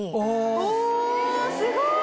おすごい！